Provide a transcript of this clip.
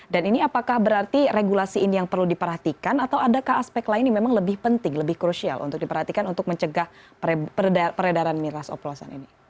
dan ini apakah berarti regulasi ini yang perlu diperhatikan atau adakah aspek lain yang memang lebih penting lebih crucial untuk diperhatikan untuk mencegah peredaran miras opulasan ini